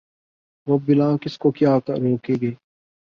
وہ بلا کس کو کیا روک گے